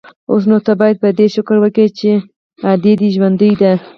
اوس نو ته بايد په دې شکر وکې چې ادې دې ژوندۍ ده.